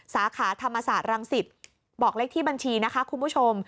สาขาธรรมศาสตร์รังสิตบอกเลขที่บัญชีนะคะคุณผู้ชม